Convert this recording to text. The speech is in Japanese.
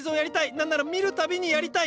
なんなら見る度にやりたい。